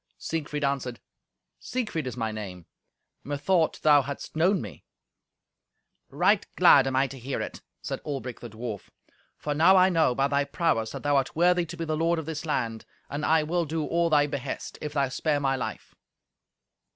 Siegfried answered, "Siegfried is my name. Methought thou hadst known me." "Right glad am I to hear it," said Albric the dwarf, "for now I know, by thy prowess, that thou art worthy to be the lord of this land, and I will do all thy behest, if thou spare my life."